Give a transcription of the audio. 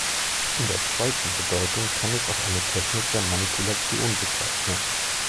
In der zweiten Bedeutung kann es auch eine Technik der Manipulation bezeichnen.